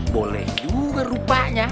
boleh juga rupanya